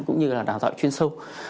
cũng như là đào tạo chuyên sâu